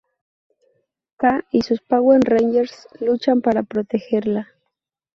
K y sus Power Rangers luchan para protegerla.